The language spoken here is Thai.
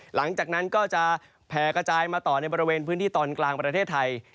หลังจากนั้นก็จะแผ่กระจายมาต่อในบริเวณพื้นที่ตอนกลางประเทศไทย